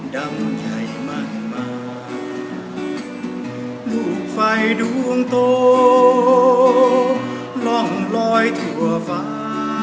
ดำใหญ่มากมายลูกไฟดวงโตร่องลอยทั่วฟ้า